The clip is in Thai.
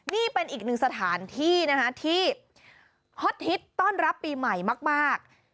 นี่เป็นอีกหนึ่งสถานที่นะคะที่ฮอตฮิตต้อนรับปีใหม่มาก